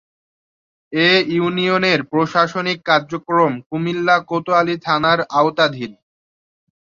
এ ইউনিয়নের প্রশাসনিক কার্যক্রম কুমিল্লা কোতোয়ালী থানার আওতাধীন।